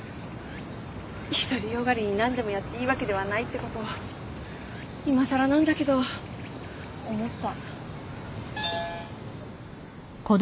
独り善がりに何でもやっていいわけではないってこといまさらなんだけど思った。